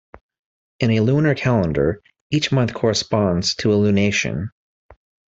In a lunar calendar, each month corresponds to a lunation.